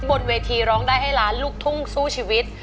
บนเวทีร้องได้ให้ล้านลูกทุ่งสู้ชีวิต